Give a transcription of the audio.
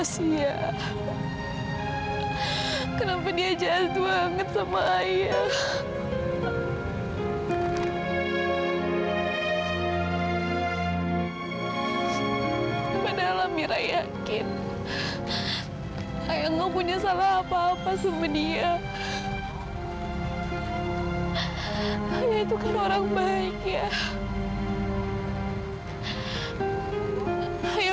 sampai jumpa di video selanjutnya